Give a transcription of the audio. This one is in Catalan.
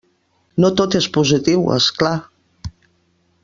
No tot és positiu, és clar.